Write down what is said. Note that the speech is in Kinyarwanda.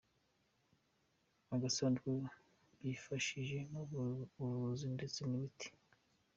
Agasanduku bifashisha mu buvuzi ndetse n’imiti.